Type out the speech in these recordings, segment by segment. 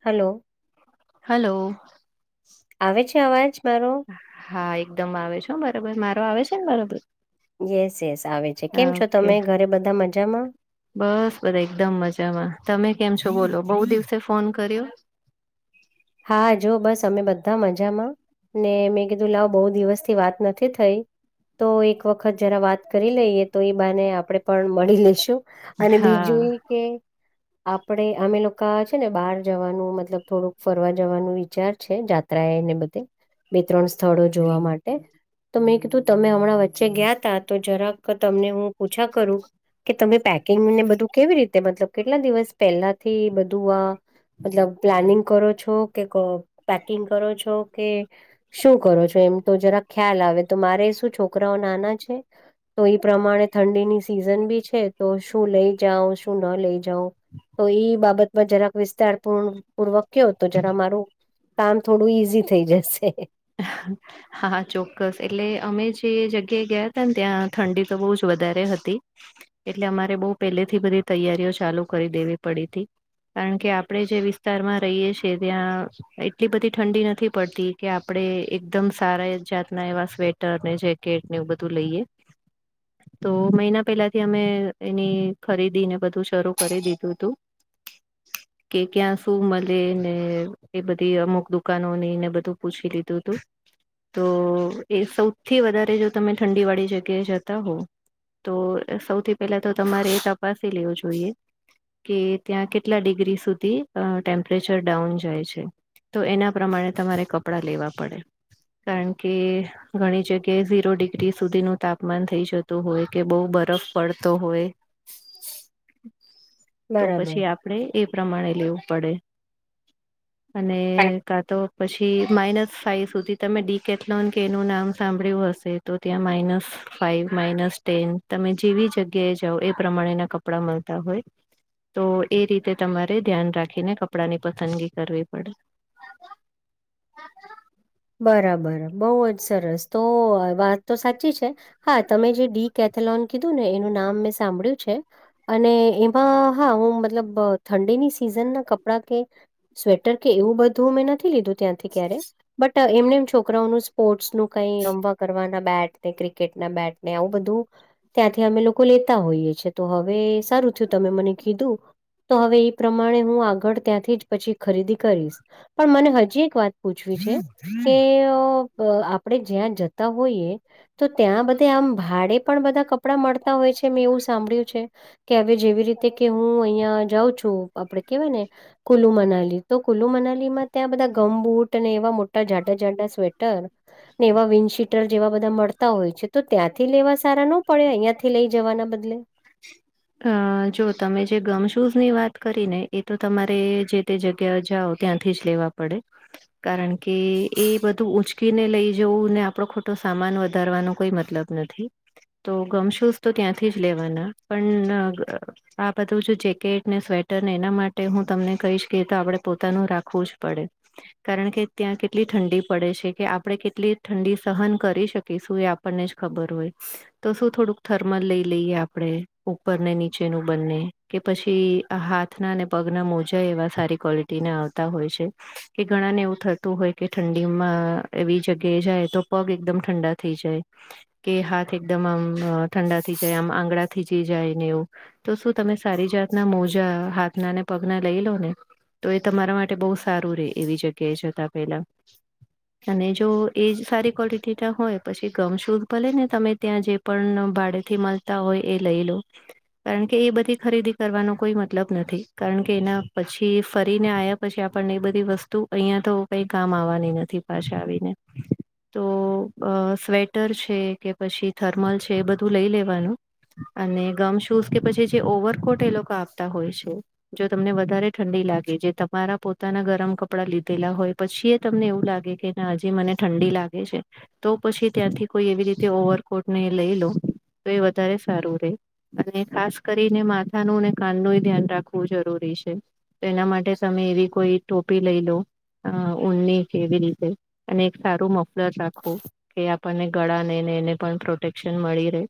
Hello. Hello. આવે છે અવાજ મારો? હા એકદમ આવે છેો બરોબર મારો આવે છે ને બરોબર? યસ યસ આવે છે કેમ છો ઓકે તમે ઘરે બધા મજામાં? બસ બધા એકદમ મજામાં તમે કેમ છો બોલો બહુ દિવસે ફોન કર્યો. હા જોઓ બસ અમે બધા મજામાં. ને મેં કીધું લાવ બહુ દિવસ થી વાત નથી થઈ. તો એક વખત જરા વાત કરી લઈએ તો એ બાને આપણેે પણ મળી લઈશું. અને બીજું હા એકે આપડે અમે લોકો છે ને બહાર જવાનું મતલબ થોડુંક ફરવા જવાનું વિચાર છે જાત્રા એને બધે બે ત્રણ સ્થળો જોવા માટે. તો મેં કીધું તમે હમણાં વચ્ચે ગયા તા તો જરાક તમને હું પૂછા કરું કે તમે પક. બધું કેવી રીતે કેટલા દિવસ પેલા થી બધું આ મતલ પ્લાનિંગ. કરો છો કે પેકિંગ કરો છો કે. શું કરો છો એમ તો જરાક ખ્યાલ આવે તો મારે શું છોકરાઓ નાના છે. તો એઈ પ્રમાણે ઠંડીની સિઝન બી છે તો શું લઈ જાાવ. ન લઈ જાવ તો એ બાબતમાં જરાક વિસ્તારૂ પૂર્વક. કયો તો જરા મામારું કામ થોડું ઈઝી થઈ જશે. હ. હા ચોક્કસ એટલે અમે જે જગ્યાએ ગયા હતા ને ત્યાં ઠંડી તો બહુ જ વધારે હતી. એટલે અમારે બહ પહેલેથી બધી તૈયારીઓ ચાલુ કરી દેવી પડી હતી. કારણ કે આપણે જે વિસ્તારમાં રહીએ છ છેએ ત્યાં એટલી બધી ઠંડી નથી પડતી કે. આપણે એકદમ સારા એ જાતના એવા સ્વેટર ને જેકેટ ને એવું બધું લઈએ. તો મહિના પહેલાથી અમે એની ખરીદી ને બધું શરૂ કરી દીધું હતું. [inaudible] કે ક્યાં સુું મળે ને એ બધી અમુક દુકાનો ની ને બધું પૂછી લીધું. તું તું. તો એ સૌથી વધારે જો તમે ઠંડી વાળી જગ્યાએ જતા હો. તો સૌથી પહેલા તો તમારે તપાસી લેવું જોઈએ. કે ત્યાં કેટલા ડિગ્રી સુધી ટેમ્પરેચર ડાઉન જાય છે. તો એના પ્રમાણે તમારે કપડાં લેવા પડે કારણ કે. ઘણી જગ્યાએ ઝીરો ડિગ્રી સુધીનું તાપમાન થઈ જતું હોય કે બહુ બરફ પડતો હોય. [inaudible] તો પછી આપણેે એ પ્રમાણે લેવું પડે અને પણ કા તો પછી માઇનસ. ફાઇવ સુધી તમે ડી કેથલોન કેનું નામ સાંભળ્યું હશે તો ત્યાં માઇનસ ફાઇવ માઇનસ ટેન. તમે જેવી જગ્યાએ જાઓ એ પ્રમાણેના કપડા મળતા હોય. તો એ રીતે તમારે ધ્યાન રાખીને કપડાં ની પસંદગી કરવી પડે. બરાબર બહુ જ સરસ તો વાત તો સાચી છે. હા તમે જે ડી કેથેલોન કીધું ને એનું નામ મેં સાંભળ્યું છે. અને એમાં હા હું મતલબ ઠંડીની સિઝન ના કપડા કે. સ્વેટર કે એવું બધું મેં નથી લીધું ત્યાંથી ક્યારે. બટ એમને એમ છોકરાઓનું સ્પોર્ટ્સ નું કઈ રમવા કરવાના બેટ ને ક્રિકેટના બેટ ને આવું બધું. ત્યાંથી અમે લોકો લેતા હોઈએ છીએ તો હવે સારું થયું તમે મને કીધું. તો હવે એ પ્રમાણે હું આગળ ત્યાંથી જ પછી ખરીદી કરીશ પણ મને હજી એક વાત. પૂછવી છે કે આપણેે જ્યાં જતા હોઈએ. તો ત્યાં બધે આમ ભાડે પણ બધા કપડાં મળતા હોય છે મેં એવું સાંભળ્યું છે. કે હવે જેવી રીતે કે હું અહિયાં જાઉં છું આપડે કેવાય ને. કુલ્લુ મનાલી તો કુલ્લુ મનાલી માં ત્યાં બધા ગમ બુટ અને એવા મોટા. જાડા જાઝંડાા સ્વેટર. ને એવા વિન્ડ શીટર જેવા બધા મળતા હોય છે તો ત્યાંથી લેવા સારા ન પડે અહં થી લઈ જવાના બદલે. [inaudible] અ જો તમે જે ગમ શૂઝ ની વાત કરી ને એ તો તમારે જે તે જગ્યા જાઓ. ત્યાંથી જ લેવા પડે. કારણ કે એ બધું ઉઊંચકીને લઈ જવું ને આપડો ખોટો સામાન વધારવાનો કોઈ મતલબ. નથી તો ગમ શૂઝ તો ત્યાંથી જ લેવાના પણ. આ બધું જેકેટ ને સ્વેટર ને એના માટે હું તમને કહીશ કે તો આપણેે પોતાનું રાખવું જ પડે કારણ કે ત્યાં કેટલી ઠંડી પડે છે કે આપડણે કેટલી ઠંડી સહન કરી શકીશું એ. આપણને જ ખબર હોય તો શું થોડુંક થર્મલ લઈ લઈએ આપણે. ઉપર ને નીચેનું બંને કે પછી આ હાથના પગના મોજા એવા સારી ક્વોલિટી એના આવતા હોય છે કે ઘણા ને એવું થતું હોય કે ઠંડીમાં એવી જગ્યાએ જાય તો પગ એકદમ ઠંડા થી જાય કે હાથ એકદમ આમ ઠંડા થઈ જાય આમ આંગડા થી જ જાય ને એવું તો શું તમે સારી જાતના મોજા હાથના ને પગના લઈ લો ને તો એ તમારા માટે બહુ સારું રે એવી જગ્યાએ જતા પેલા [inaudible] અને જો એ જ સારી ક્વોલિટી ના હોય પછી ગમ શુધ ભલે ને તમે ત્યાં જે પણ ભાડેથી મળતા હોય એ લઈ લો કારણ કે એ બધી ખરીદી કરવાનો કોઈ મતલબ નથી કારણ કે એના પછી ફરીને આયા પછી આપણને એ બધી વસ્તુ અહિયાં તો કઈ કામ આવવાની નથી પાછા આવીને તો સ્વેટર છે કે પછી થર્મલ છે એ બધું લઈ લેવાનું અને ગમ શૂઝ કે પછી જે ઓવરકોટ એ લોકો આપતા હોય છે. જો તમને વધારે ઠંડી લાગે જે તમારા પોતાના ગરમ કપડાં લીધેલા હોય પછી એ તમને એવું લાગે કે હજી મને ઠંડી લાગે છે તો પછી ત્યાંથી કોઈ એવી રીતે ઓવરકોટ ને લઈ લો તો એ વધારે સારું રહેે અને ખાસ કરીને માથા નું અને કાન નું ધ્યાન રાખવું જરૂરી છે તો એના માટે તમે એવી કોઈ ટોપી લઈ લો હ ઉની કે કેવી રીતે અને એક સારું મફ રાખો કે આપણને ગળા ને ને એને પણ પ્રોટેક્શન મળી રહે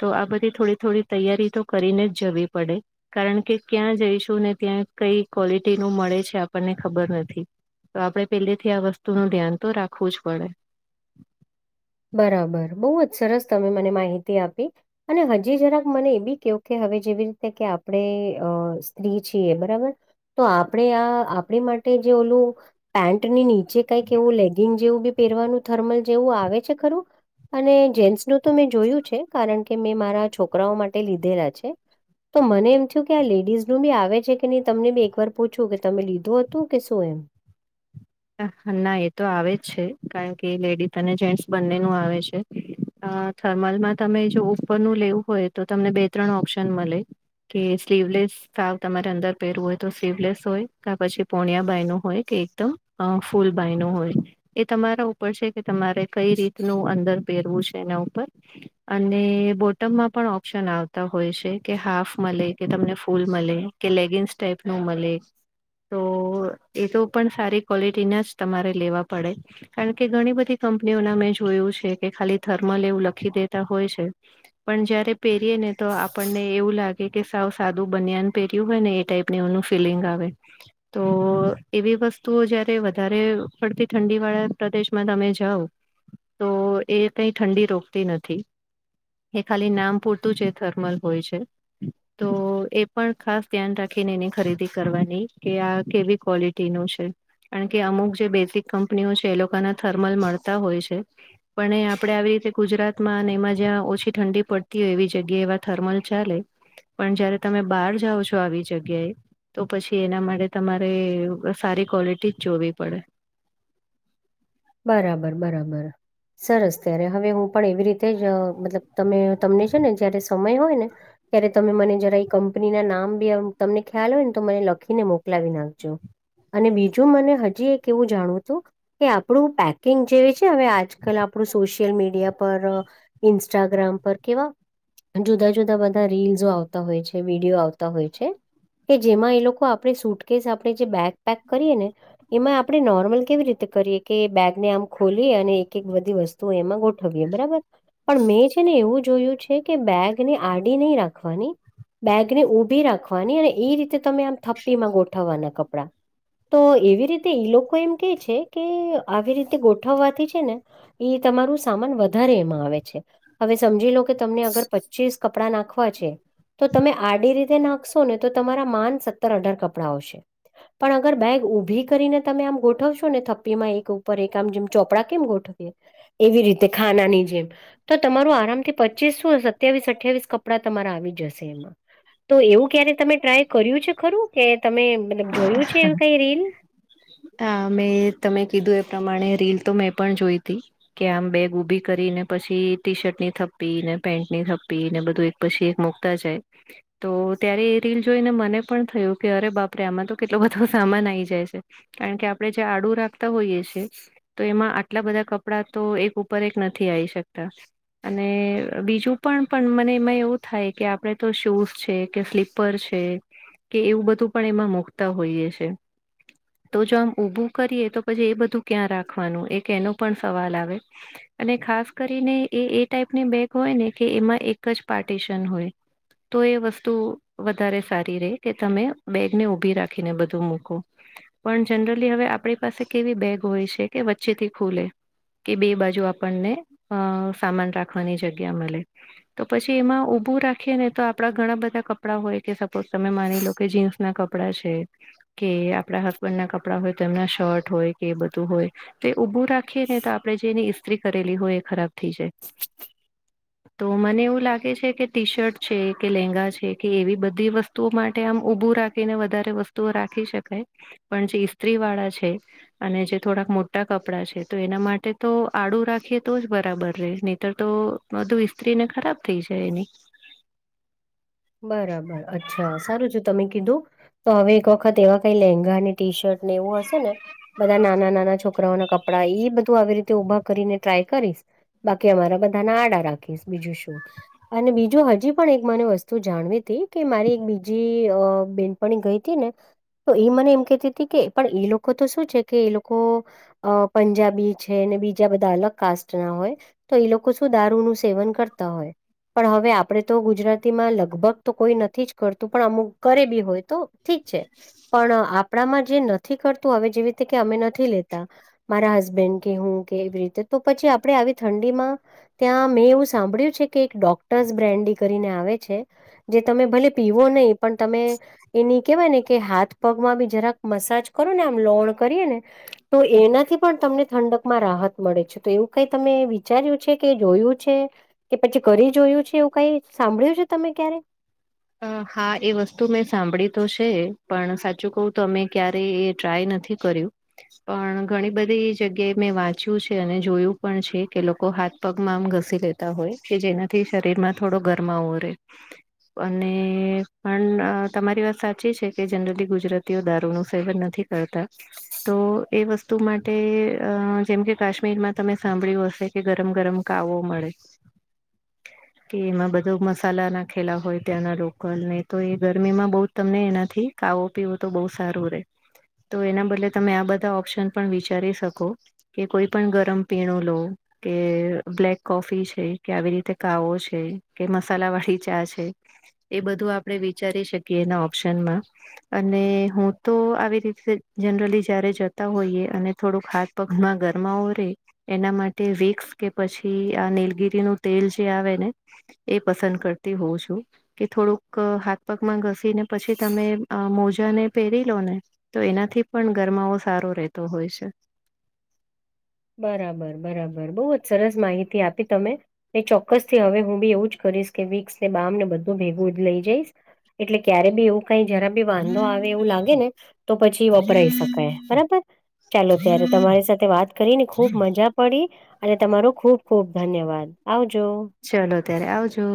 તો આ બધી થોડી થોડી તૈયારી તો કરીને જ જવી પડે. કારણ કે ક્યાં જઈશું ને ત્યાં કઈ ક્વોલિટી નું મળે છે આપણને ખબર નથી. તો આપણે પેલેથી આ વસ્તુનું ધ્યાન તો રાખવું જ પડે. બરાબર બહુ જ સરસ તમે મને માહિતી આપી અને હજી જરાક મને એ બી કયો કે હવે જેવી રીતે કે આપણે સ્ત્રી છીએ બરાબર તો આપણે આ આપણી માટે જે ઓલું પેન્ટની નીચે કઈ એવું લેગિંગ જેવું બી પહેરવાનું થર્મલ જેવું આવે છે ખરું અને જેન્સ નું તો મેં જોયું છે કારણ કે મેં મારા છોકરાઓ માટે લીધેલા છે. તો મને એમ થયું કે આ લેડીઝ નું બી આવે છે કે નહી તમને બી એક વાર પૂછું કે તમે લીધું હતું કે શું એમ. ના એ તો આવે જ છે કારણ કે લેડીઝ અને જેન્ટસ બંને નુ આવે છે. અ થર્મલમાં તમે જો ઉપરનું લેવું હોય તો તમને બે ત્રણ ઓપ્શન મળે. ઓકે સ્લીવલેસ સાવ તમારે અંદર પહેરવું હોય તો સ્લીવલેસ હોય કે પછી પોણિયા બાય નું હોય કે એકદમ અ ફૂલભાઈ નુ હોય ને એ તમારા ઉપર છે કે તમારે કઈ રીતનું અંદર પહેરવું છે એના ઉપર અને બોટમમાં પણ ઓપ્શન આવતા હોય છે કે હાફ મળે કે તમને ફૂલ મળે. કે લેગિન્સ ટાઈપ નું મળે તો એ તો પણ સારી ક્વોલિટીના જ તમારે લેવા પડે કારણ કે ઘણી બધી કંપનીઓના મેં જોયું છે કે ખાલી થર્મલ એવું લખી દેતા હોય છે. પણ જયારે પહેરીયે ને તો આપણને એવું લાગે કે સાવ સાદું બનિયાન પહેર્યું હોય ને એ ટાઈપ ને એવ નુ ફિલિંગ આવે તો એવી વસ્તુ તો જયારે વધારે પડતી ઠંડી વાળા પ્રદેશમાં તમે જાઓ તો એ કઈ ઠંડી રોકતી નથી. એ ખાલી નામ પૂરતું છે થર્મલ હોય છે. તો એ પણ ખાસ ધ્યાન રાખીને એની ખરીદી કરવાની કે આ કેવી ક્વોલિટીનું છે. કારણ કે અમુક જે બેસિક કંપનીઓ છે એ લોકોના થર્મલ મળતા હોય છે. પણ એ આપડે આવી રીતે ગુજરાતમાં અને એમાં જ્યાં ઓછી ઠંડી પડતી હોય એવી જગ્યાએ એવા થર્મલ ચાલે પણ જયારે તમે બહાર જાઓ છો આવી જગ્યાએ તો પછી એના માટે તમારે સારી ક્વોલિટી જ જોવી પડે. બરાબર બરાબર સરસ ત્યારે હવે હું પણ એવી રીતે જ મતલબ તમે તમને છે ને જયારે સમય હોય ને ત્યારે તમે મને જરા એ કંપનીના નામ બી તમને ખ્યાલ હોય ને તો મને લખીને મોકલાવી નાખજો અને બીજું મને હજી એક એવું જાણવું હતું કે આમ આપણું પેકિંગ જેવી છે હવે આજકાલ આપણું સોશિયલ મીડિયા પર ઇન્સ્ટાગ્રામ પર કેવા જુદા જુદા બધા રીલ્સો આવતા હોય છે વિડીયો આવતા હોય છે કે જેમાં એ લોકો આપણે સુટ કેસ આપણે જે બેગ પેક કરીએ ને એમાં આપડણે નોર્મલ કેવી રીતે કરીએ કે બેગને આમ ખોલી અને એક એક બધી વસ્તુ એમાં ગો વી બરાબર પણ મેં છે ને એવું જોયું છે કે બેગને આડી નહી રાખવાની. બેગ ને ઉઊભી રાખવાની અને એ રીતે તમે આમ થપ્પીમાં ગોઠવવાના કપડા. તો એવી રીતે ઈ લોકો એમ કે છે કે આવી રીતે ગોઠવવાથી છે ને એ તમારું સામાન વધારે એમાં આવે છે હવે સમજી લો કે તમને અગર પચીસ કપડા નાખવા છે તો તમે આડી રીતે નાખશો ને તો તમારા માન સત્તર અઢાર કપડાં આવશે પણ અગર બેગ ઊભી કરીને તમે આમ ગોઠવશો ને થપ્પીમાં એક ઉપર એક આમ જેમ ચોપડા કેમ ગોઠવીએ એવી રીતે ખાનાની જેમ તો તમારું આરામ થી પચીસ શું સત્યાવીસ અઠાવીસ કપડાં તમારા આવી જશે એમાં તો એવું ક્યારે તમે ટ્રાય કર્યું છે ખરું કે તમે મતલબ જોયું છે એવું કઈ રીલ હા મેં તમે કીધું એ પ્રમાણે રીલ તો મેં પણ જોઈ તી કે આમ બેગ ઊભી કરી ને પછી ટી શર્ટ ની થપી ને પેન્ટ ની થપી ને બધું પછી એક મુકતા જાય તો ત્યારે એ રીલ જોઈને મને પણ થયું કે અરે બાપ આપ આમાં તો કેટલો બધો સામાન આવીઈ જાય છે કારણ કે આપણે જે આડુ રાખતા હોઈએ છે. તો એમાં આટલા બધા કપડા તો એક ઉપર એક નથી આવી શકતા. અને બીજું પણ પણ મને એમાં એવું થાય કે આપડે તો શૂઝ છે કે સ્લીપ. ઉપર છે કે એવું બધું પણ એમાં મુકતા હોઈએ. છે તો જો આમ ઊભું કરીએ તો પછી એ બધું ક્યાં રાખવાનું એક એનો પણ સવાલ આવે. અને ખાસ કરીને એ એ ટાઈપની બેગ હોય ને કે એમાં એક જ પાર્ટિશન હોય. તો એ વસ્તુ વધારે સારી ર કે તમે. બેગને ઉઊભી રાખીને બધું મૂકો. પણ જનરલી હવે આપણી પાસે કેવી બેગ હોય છે કે વચ્ચે થી ખુલે. કે બે બાજુ આપણને અ સામાન રાખવાની જગ્યા મળે. તો પછી એમાં ઉભું રાખીએ ને તો આપડા ઘણા બધા કપડાં હોય કે સપોઝ તમે માની લો કે જીન્સ. ના કપડા છે કે આપડા હસબન્ડ ના કપડા હોય તેમના શર્ટ હોય કે એ બધું હોય. તે ઊભું રાખીએ ને તો આપણે જેની ઇસ્ત્રી કરેલી હોય એ ખરાબ થઈ જાય. તો મને એવું લાગે છે કે ટી શર્ટ છે કે લેંગા છે કે એવી બધી વસ્તુઓ માટે આમ ઉભું રાખે. ને વધારે વસ્તુઓ રાખી શકાય પણ જે ઇસ્ત્રી વાળા છે. અને જે થોડાક મોટા કપડાં છે તો એના માટે તો આડું રાખીએ તો જ બરાબર રહે નહીતર તો. બધું ઈસ્ત્રી ને ખરાબ થઈ જાય એની. બરાબર અચ્છા સારું છે તમે કીધું તો હવે એક વખત એવા કઈ લેંગા અને ટી શર્ટ. એવું હશે ને બધા નાના નાના છોકરાઓ ના કપડા એ બધું આવી રીતે ઉઊભા કરીને. ટ્રાય કરીશ બાકી અમારા બધાના આડા રાખીશ બીજું શું. અને બીજું હજી પણ એક મને વસ્તુ. તું જાણવી હતી કે મારી એક બીજી બેનપણી ગઈ હતી ને. તો એ મને એમ કેતી હતી કે પણ એ લોકો તો શું છે કે એ લોકો અ પંજાબી છે ને બીજા બધા અલગ કાસ્ટ ના હોય. તો એ લોકો શું દારૂનું સેવન કરતા હોય પણ હવે આપણેે તો ગુજરાત લગભગ તો કોઈ નથી જ કરતું પણ અમુક કરે બી હોય તો ઠીક છે પણ આપ. કપડામાં જે નથી કરતું હવે જેવી રીતે કે અમે નથી લેતા. મારા હસબેન્ડ કે હું કે એવી રીતે તો પછી આપડે આવી ઠંડીમાં. ત્યાં મેં એવું સાંભળ્યું છે કે એક ડોક્ટર્સ બ્રેાન્ડડી કરીને આવે. જે તમે ભલે પીવો નહી પણ તમે એની. કેવાય ને કે હાથ પગમાંબી જરાક મસાજ કરો ને આમ લોણ કરીએ ને તો એનાથી પણ તમને ઠંડકમાં રાહત મળે છે તો એવું કઈ તમે વિચાર્યું છે કે જોયું છે કે પછી કરી જોયું છે એવું કઈ સાંભળ્યું છે તમે ક્યારે? હા એ વસ્તુ મેં સાંભળી તો છે પણ સાચું કહું તો અમે ક્યારેય એ ટ્રાય નથી કર્યું. પણ ઘણી બધી જગ્યાએ મેં વાંચ્યું છે અને જોયું પણ છે કે લોકો હાથ પગમાં આમ ઘસી લેતા હોય કે જેનાથી શરીરમાં થોડો ગરમાવો રે. અને પણ તમારી વાત સાચી છે કે જનરલી ગુજરાતીઓ દારૂનું સેવન નથી કરતા. તો એ વસ્તુ માટે અ જેમ કે કાશ્મીરમાં તમે સાંભળ્યું હશે કે ગરમ ગરમ કાવો મળે. [unintelligible] કે એમાં બધા મસાલા નાખેલા હોય તત્યાંના લોકલ ને તો એ ગરમીમાં બઉ તમને એનાથી ખાવો પીવો તો બહુ સારું રે. તો એના બદલે તમે આ બધા ઓપ્શન પણ વિચારી શકો. કે કોઈ પણ ગરમ પીણું લો કે બ્લેક કોફી છે કે આવી રીતે કાવો છે કે મસાલા વાળી ચા છે. એ બધું આપડણે વિચારી શકીએ એના ઓપ્શનમાં અને હું તો આવી રીતે જનરલી જય્યારે જતા હોઈએ અને થોડું હાત પગમાં ઘરમાંવો રે એના માટે વિકસ કે પછી આ નીલગીરી નું તેલ જે આવે ને એ પસંદ કરતી હોઉ છું. કે થોડુંક હાથપકમાં ઘસી ને પછી તમે મોજા ને પહેરી લો ને તો એનાથી પણ ગરમાવો સારો રહેતો હોય છે. બરાબર બરાબર બહુ જ સરસ માહિતી આપી તમે એ ચોક્કસ થી હવે હું બી એવું જ કરીશ કે વિક્સ ને બામ ને બધું ભેગું જ લઈ જઈશ. એટલે ક્યારે બી એવું કઈ જરા બી વાંધો આવે એવું લાગે ને તો પછી વપરાય શકાય. બરાબર. ચાલો ત્યારે તમારી સાથે વાત કરીને ખુબ મજા પડી અને તમારો ખુબ ખુબ ધન્યવાદ આવજો. ચલોો ત્યારે આવજો.